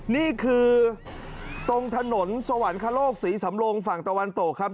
นี่คือตรงถนนสวรรคโลกศรีสำรงฝั่งตะวันตกครับ